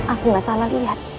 aku gak salah lihat